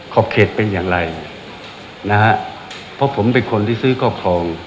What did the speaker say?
ขอบเขตเป็นอย่างไรนะฮะเพราะผมเป็นคนที่ซื้อครอบครอง